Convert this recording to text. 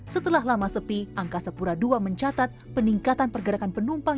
setelah lama sepi angkasa pura ii mencatat peningkatan pergerakan penumpang